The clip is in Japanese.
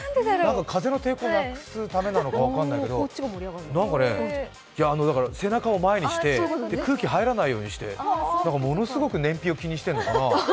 風の抵抗をなくすためなのか分からないけど背中を前にして、空気入らないようにして、ものすごく燃費を気にしてるのかな。